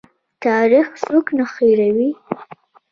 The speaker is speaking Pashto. تاریخ څوک نه هیروي